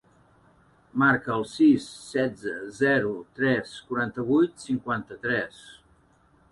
Marca el sis, setze, zero, tres, quaranta-vuit, cinquanta-tres.